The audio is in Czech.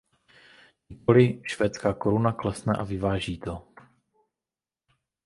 Nikoli, švédská koruna klesne a vyváží to.